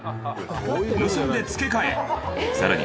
盗んで付け替えさらに